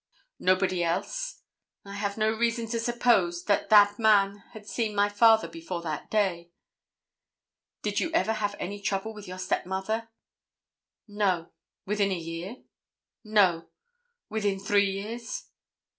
"Nobody else?" "I have no reason to suppose that that man had seen my father before that day." "Did you ever have any trouble with your stepmother?" "No." "Within a year?" "No." "Within three years?"